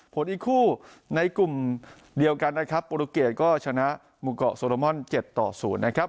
ผลอีกคู่ในกลุ่มเดียวกันนะครับปฏิเสธก็ชนะมุกเกาะโซโลม่อนเจ็ดต่อศูนย์นะครับ